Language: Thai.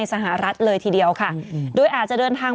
มีสารตั้งต้นเนี่ยคือยาเคเนี่ยใช่ไหมคะ